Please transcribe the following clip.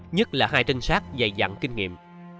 nhất là hai trinh sát dạy dặn kinh nghiệm